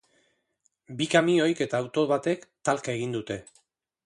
Bi kamioik eta auto batek talka egin dute.